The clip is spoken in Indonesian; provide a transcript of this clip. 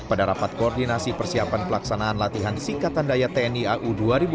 pada rapat koordinasi persiapan pelaksanaan latihan sikatan daya tni au dua ribu dua puluh